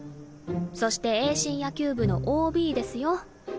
そして栄新野球部のＯＢですよ。